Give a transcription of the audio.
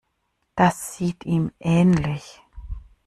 Das sieht ihm ähnlich.